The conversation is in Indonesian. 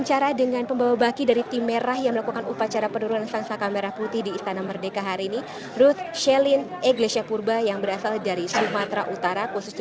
silahkan kembali berkumpul sama temen temen selamat beristirahat